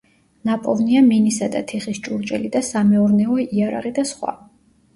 ნაპოვნია მინისა და თიხის ჭურჭელი და სამეურნეო იარაღი და სხვა.